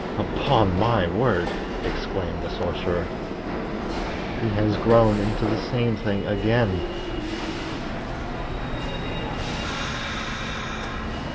"Upon my word!" exclaimed the Sorcerer, "He has grown into the same thing again!"